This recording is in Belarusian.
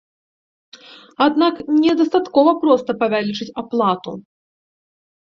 Аднак не дастаткова проста павялічыць аплату.